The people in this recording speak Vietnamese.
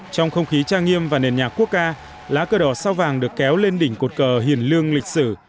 trong không khí trang nghiêm và nền nhạc quốc ca lá cờ đỏ sao vàng được kéo lên đỉnh cột cờ hiền lương lịch sử